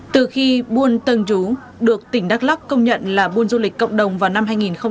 từ khi buôn tân chú được tỉnh đắk lắc công nhận là buôn du lịch cộng đồng vào năm hai nghìn một mươi